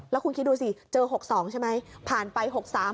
แล้วคุณคิดดูสิเจอ๖๒ใช่ไหมผ่านไป๖๓